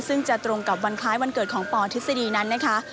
ซึ่งจะตรงกับวันคล้ายวันเกิดของปทฤษฎีนั้นนะคะ